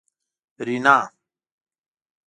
رینا